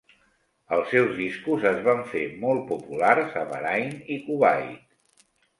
Els seus discos es van fer molt populars a Bahrain i Kuwait.